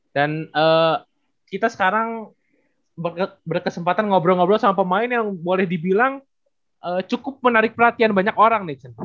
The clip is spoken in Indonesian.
dan kita sekarang berkesempatan ngobrol ngobrol sama pemain yang boleh dibilang cukup menarik perhatian banyak orang nih cun